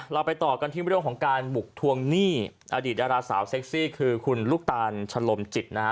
เราไปต่อกันที่เรื่องของการบุกทวงหนี้อดีตดาราสาวเซ็กซี่คือคุณลูกตาลชะลมจิตนะฮะ